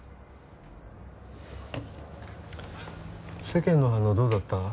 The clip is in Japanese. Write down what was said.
世間の反応どうだった？